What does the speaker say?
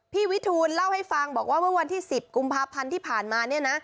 วิทูลเล่าให้ฟังบอกว่าเมื่อวันที่๑๐กุมภาพันธ์ที่ผ่านมาเนี่ยนะ